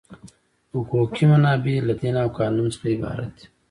حقوقي منابع له دین او قانون څخه عبارت دي.